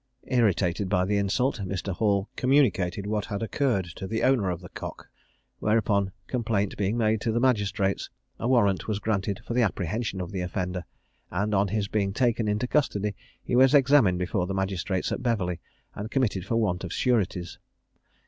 Irritated by the insult, Mr. Hall communicated what had occurred to the owner of the cock, whereupon complaint being made to the magistrates, a warrant was granted for the apprehension of the offender; and on his being taken into custody, he was examined before the magistrates at Beverley and committed for want of sureties.